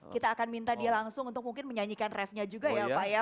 kita akan minta dia langsung untuk mungkin menyanyikan refnya juga ya pak ya